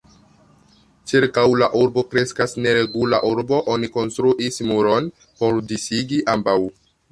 Ĉirkaŭ la urbo kreskas neregula urbo, oni konstruis muron por disigi ambaŭ.